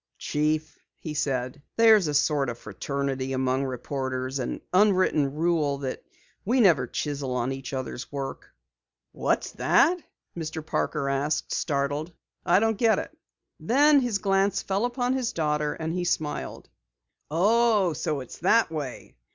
"Chief," he said, "there's a sort of fraternity among reporters an unwritten rule that we never chisel on each other's work." "What's that?" Mr. Parker asked, startled. "I don't get it." Then his glance fell upon his daughter, and he smiled. "Oh, so it's that way!